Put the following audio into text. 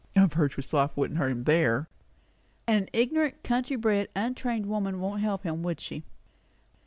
"A virtuous wife wouldn't hurt him there." "And an ignorant, country bred, untrained woman wouldn't help him, would she?"